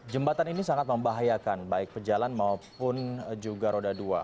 jembatan ini sangat membahayakan baik pejalan maupun juga roda dua